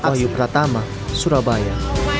wayu pratama surabaya